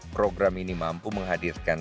program ini mampu menghadirkan